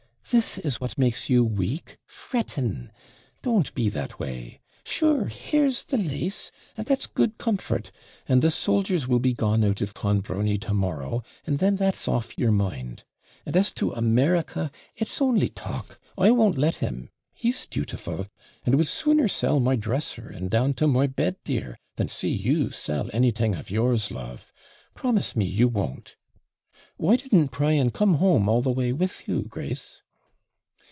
This is what makes you weak, fretting. Don't be that way. Sure here's the LASE, and that's good comfort; and the soldiers will be gone out of Clonbrony to morrow, and then that's off your mind. And as to America, it's only talk I won't let him, he's dutiful; and would sooner sell my dresser and down to my bed, dear, than see you sell anything of yours, love. Promise me you won't. Why didn't Brian come home all the way with you, Grace?'